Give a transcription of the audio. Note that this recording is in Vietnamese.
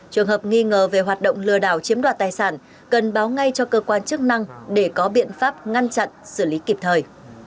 trường hợp nghi ngờ về hoạt động lừa đảo chiếm đoạt tài sản cần báo ngay cho cơ quan chức năng để có biện pháp ngăn chặn xử lý kịp thời